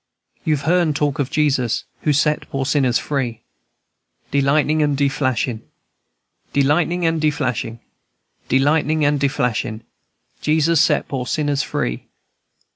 You've heern talk of Jesus, Who set poor sinners free. "De lightnin' and de flashin' De lightnin' and de flashin', De lightnin' and de flashin', Jesus set poor shiners free.